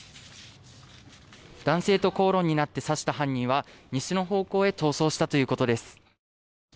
「男性と口論になって刺した犯人は西の方向に逃走したということです」